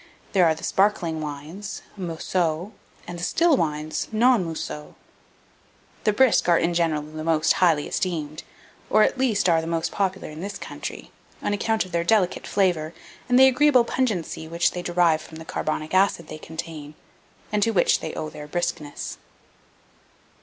There are the sparkling wines (mousseux), and the still wines (non mousseux). The brisk are in general the most highly esteemed, or, at least, are the most popular in this country, on account of their delicate flavour and the agreeable pungency which they derive from the carbonic acid they contain, and to which they owe their briskness.